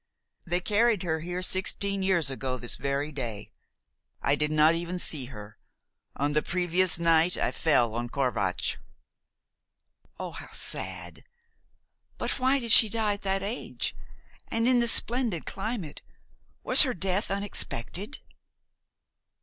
They carried her here sixteen years ago this very day. I did not even see her. On the previous night I fell on Corvatsch." "Oh, how sad! But why did she die at that age? And in this splendid climate? Was her death unexpected?"